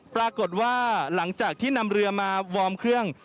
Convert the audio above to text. ปรากฏว่าหลังจากที่นำเรือมาวอร์มเครื่อง